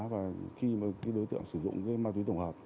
và khi đối tượng sử dụng ma túy tổng hợp